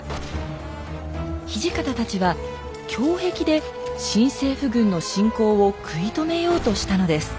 土方たちは胸壁で新政府軍の侵攻を食い止めようとしたのです。